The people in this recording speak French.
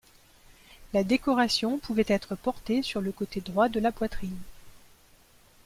La décoration pouvait être portée sur le côté droit de la poitrine.